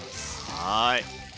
はい。